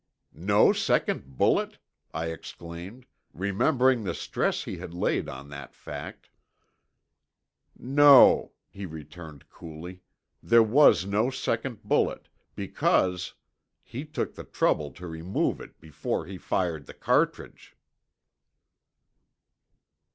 "No second bullet!" I exclaimed, remembering the stress he had laid on that fact. "No," he returned coolly, "there was no second bullet because he took the trouble to remove it before he fired the cartridge."